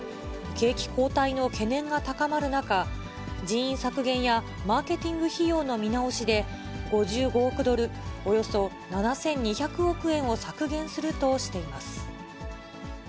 景気後退の懸念が高まる中、人員削減やマーケティング費用などの見直しで、５５億ドル、およそ７２００億円を削減するとしています。